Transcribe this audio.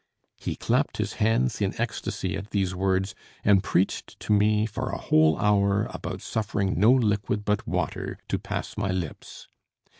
He clapped his hands in ecstasy at these words, and preached to me for a whole hour about suffering no liquid but water to pass my lips.